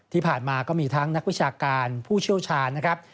ที่ผ่านมาก็มีทั้งนักวิชาการผู้เชี่ยวชาญนะครับ